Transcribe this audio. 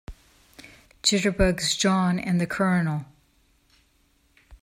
Jitterbugs JOHN and the COLONEL.